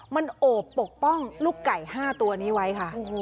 มันโอบปกป้องลูกไก่๕ตัวนี้ไว้ค่ะ